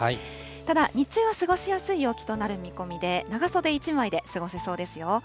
ただ日中は過ごしやすい陽気となる見込みで、長袖１枚で過ごせそうですよ。